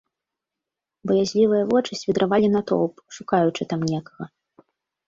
Баязлівыя вочы свідравалі натоўп, шукаючы там некага.